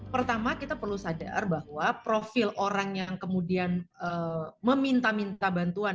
pertama kita perlu sadar bahwa profil orang yang kemudian meminta minta bantuan